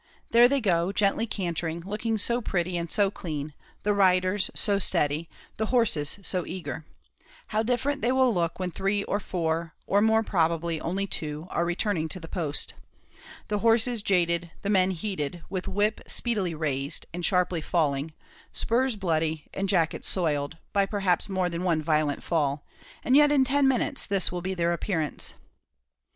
There they go, gently cantering, looking so pretty, and so clean the riders so steady the horses so eager. How different they will look when three or four, or more probably only two, are returning to the post! The horses jaded, the men heated, with whip speedily raised, and sharply falling spurs bloody and jackets soiled, by perhaps more than one violent fall; and yet in ten minutes this will be their appearance.